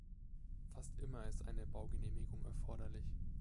Fast immer ist eine Baugenehmigung erforderlich.